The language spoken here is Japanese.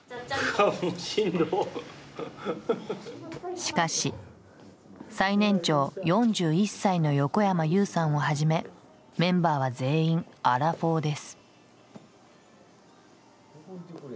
しかし最年長４１歳の横山裕さんをはじめメンバーは全員アラフォーです。